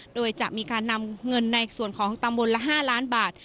โดยจะมีการนำเงินในส่วนของตำบลละ๕ล้านบาท